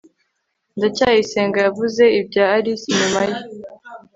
ndacyayisenga yavuze ibya alice inyuma ye